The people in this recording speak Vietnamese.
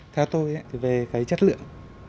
theo tôi thì về cái chất lượng